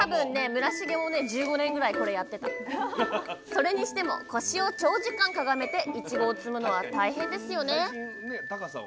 それにしても腰を長時間かがめていちごを摘むのは大変ですよね。